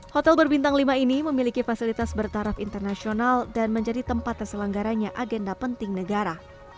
hotel berbintang lima ini memiliki fasilitas bertaraf internasional dan menjadi tempat terselenggaranya agenda penting negara